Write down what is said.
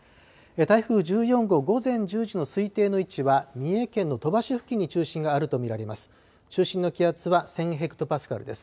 台風１４号、午前１０時の推定の位置は三重県の鳥羽市付近に中心があると見られます。